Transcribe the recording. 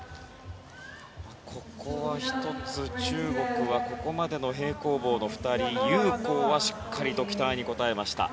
ここは１つ、中国はここまでの平行棒の２人ユウ・コウはしっかりと期待に応えました。